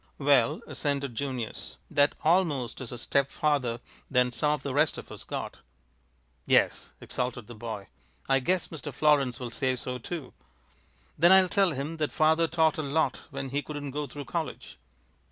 "Well," assented Junius, "that 'almost' is a step farther than some of the rest of us got." "Yes," exulted the boy, "I guess Mr. Florins will say so, too. Then I'll tell him that father taught a lot when he couldn't go through college."